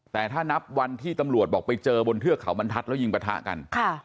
แต่ถ้านับวันที่ตำรวจบอกไปเจอบนเทือกเขาบรรทัศน์แล้วยิงประทะกัน